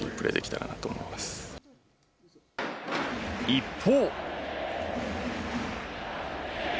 一方。